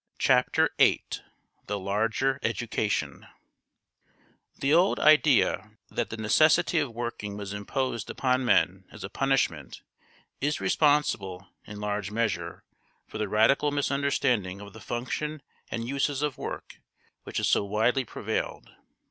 Chapter VIII The Larger Education The old idea that the necessity of working was imposed upon men as a punishment is responsible, in large measure, for the radical misunderstanding of the function and uses of work which has so widely prevailed.